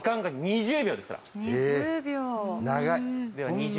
２０秒全力ですからね。